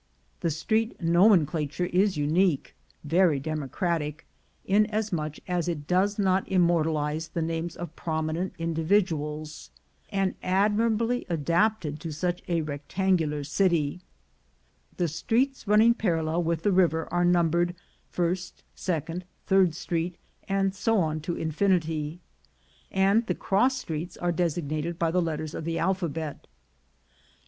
The street nomenclature is unique — very democratic, inasmuch as it does not immortalize the names of prominent individuals — and admirably adapted to such a rec tangular city. The streets running parallel with the river are numbered First, Second, Third Street, and so on to infinity, and the cross streets are designated by the letters of the alphabet.